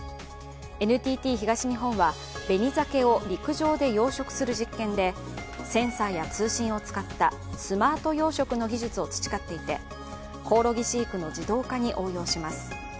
ＮＴＴ東日本はべにざけを陸上で養殖する実験でセンサーや通信を使ったスマート養殖の技術を培っていてコオロギ飼育の自動化に応用します。